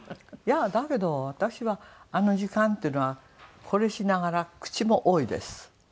だけど私はあの時間っていうのはこれしながら口も多いです。